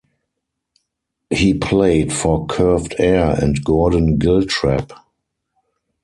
He played for Curved Air and Gordon Giltrap.